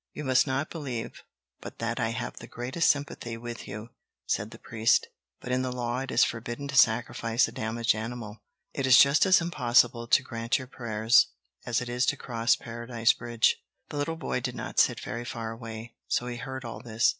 "You must not believe but that I have the greatest sympathy with you," said the priest, "but in the law it is forbidden to sacrifice a damaged animal. It is just as impossible to grant your prayers, as it is to cross Paradise Bridge." The little boy did not sit very far away, so he heard all this.